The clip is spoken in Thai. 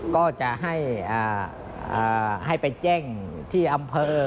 ก็จะให้ไปแจ้งที่อำเภอ